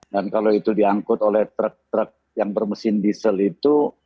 dan kalau itu diangkut oleh truk truk yang bermesin diesel itu